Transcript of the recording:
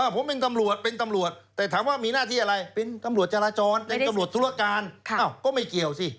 ผมเป็นตำรวจเป็นตำรวจแต่ถามว่ามีหน้าที่อะไรเป็นตำรวจจราจรเป็นตำรวจธุรการก็ไม่เกี่ยวสิ